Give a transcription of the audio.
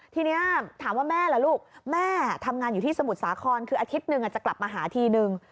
ทีนี้ถามว่าแม่ล่ะลูกแม่ทำงานอยู่ที่สมุทรสาครคืออาทิตย์หนึ่งจะกลับมาหาทีนึง